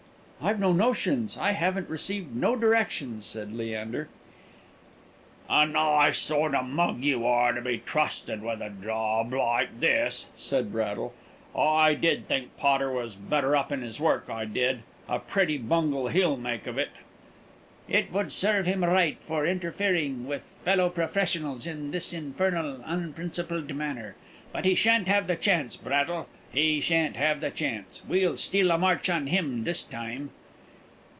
"I've no notions. I haven't received no directions," said Leander. "A nice sort o' mug you are to be trusted with a job like this," said Braddle. "I did think Potter was better up in his work, I did. A pretty bungle he'll make of it!" "It would serve him right, for interfering with fellow professionals in this infernal unprincipled manner. But he shan't have the chance, Braddle, he shan't have the chance; we'll steal a march on him this time."